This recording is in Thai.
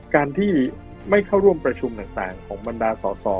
การที่ไม่เข้าร่วมประชุมต่างของบรรดาสอสอ